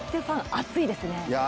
熱いですよね